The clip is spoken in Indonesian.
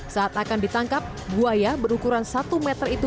saat akan ditangkap buaya berukuran satu meter itu